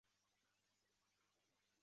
以色列则在伦敦设有大使馆及领事馆。